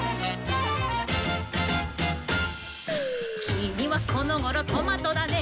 「きみはこのごろトマトだね」